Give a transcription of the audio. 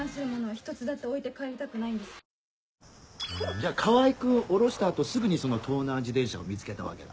じゃあ川合君降ろした後すぐにその盗難自転車を見つけたわけだ。